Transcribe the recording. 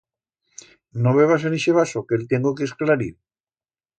No bebas en ixe vaso que el tiengo que esclarir.